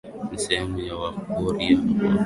ni sehemu ya Wakurya wa kusini mwa Mara